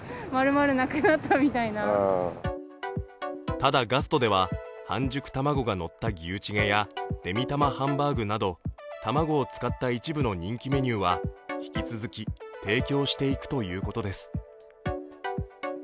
ただガストでは半熟卵がのった牛チゲやデミたまハンバーグなど卵を使った一部の人気メニューは引き続き提供していくということです。